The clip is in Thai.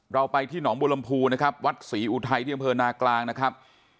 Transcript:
เราไปที่หนองบัวลำพูนะครับวัดศรีอุทัยที่อำเภอนากลางนะครับ